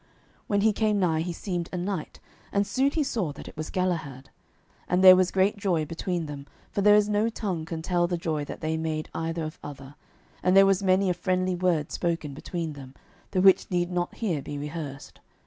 When he came nigh he seemed a knight, and soon he saw that it was Galahad. And there was great joy between them, for there is no tongue can tell the joy that they made either of other; and there was many a friendly word spoken between them, the which need not here be rehearsed.